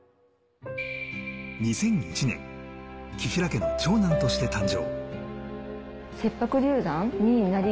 ２００１年、紀平家の長男として誕生。